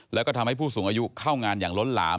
แล้วก็ทำให้ผู้สูงอายุเข้างานอย่างล้นหลาม